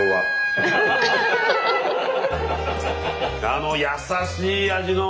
あの優しい味の。